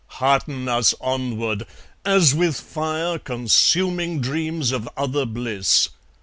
Hearten us onward! as with fire Consuming dreams of other bliss.